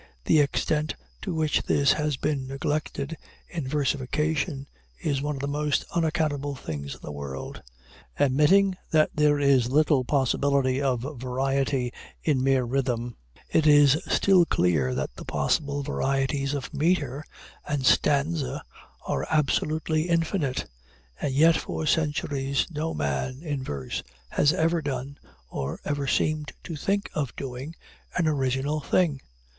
The extent to which this has been neglected, in versification, is one of the most unaccountable things in the world. Admitting that there is little possibility of variety in mere rhythm, it is still clear that the possible varieties of meter and stanza are absolutely infinite and yet, for centuries, no man, in verse, has ever done, or ever seemed to think of doing, an original thing.